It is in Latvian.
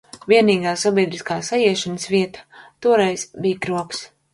Vienīgā sabiedriskā saiešanas vieta toreiz bija krogs.